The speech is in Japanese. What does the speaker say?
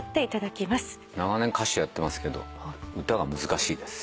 長年歌手をやってますけど歌が難しいです。